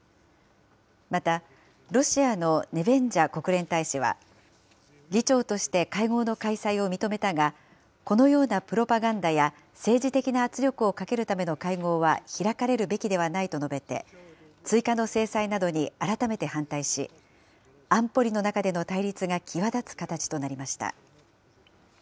また、ロシアのネベンジャ国連大使は、議長として会合の開催を認めたが、このようなプロパガンダや政治的な圧力をかけるための会合は開かれるべきではないと述べて、追加の制裁などに改めて反対し、安保理の中での対立が際立つ形となりました。